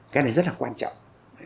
cái này rất là quan trọng